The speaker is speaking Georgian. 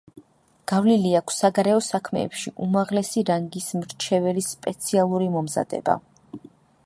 გავლილი აქვს საგარეო საქმეებში უმაღლესი რანგის მრჩეველის სპეციალური მომზადება.